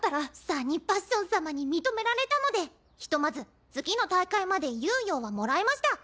サニーパッション様に認められたのでひとまず次の大会まで猶予はもらえました。